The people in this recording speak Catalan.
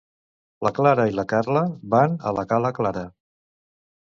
La Clara i la Carla van a la cala clara.